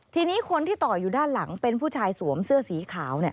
ทีนี้คนที่ต่ออยู่ด้านหลังเป็นผู้ชายสวมเสื้อสีขาว